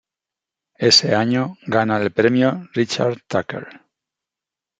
Ese año gana el Premio Richard Tucker.